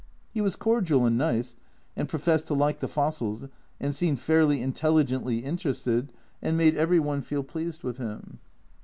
He was cordial and nice, and professed to like the fossils, and seemed fairly intelligently interested, and made every one feel pleased with him.